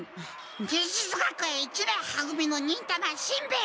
忍術学園一年は組の忍たましんべヱです。